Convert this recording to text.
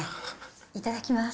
いただきます。